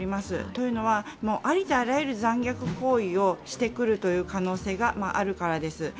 というのは、ありとあらゆる残虐行為をしてくる可能性があるからです。